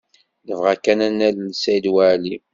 Nebɣa kan ad nalel Saɛid Waɛli.